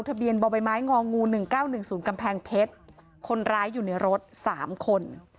ทะเบียนบ่อใบไม้งองงูหนึ่งเก้าหนึ่งศูนย์กำแพงเพชรคนร้ายอยู่ในรถสามคน